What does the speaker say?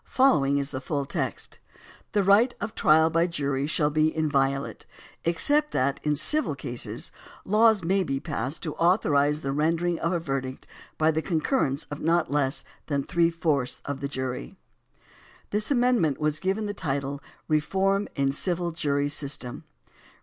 Following is the full text: "The right of trial by jury shall be inviolate, except that, in civil cases, laws may be passed to authorize the rendering of a verdict by the concurrence of not less than three fourths of the jury." This amendment was given the title "Reform in Civil Jury System."